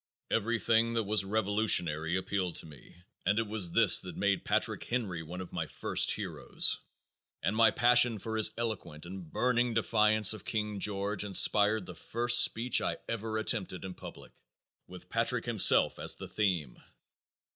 Everything that was revolutionary appealed to me and it was this that made Patrick Henry one of my first heroes; and my passion for his eloquent and burning defiance of King George inspired the first speech I ever attempted in public, with Patrick himself as the theme.